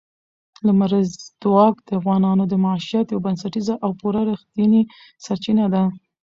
لمریز ځواک د افغانانو د معیشت یوه بنسټیزه او پوره رښتینې سرچینه ده.